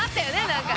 何か。